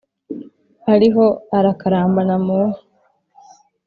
Ariho arakarambana mu nka